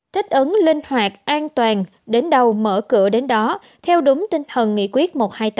thích ứng linh hoạt an toàn đến đâu mở cửa đến đó theo đúng tinh thần nghị quyết một trăm hai mươi tám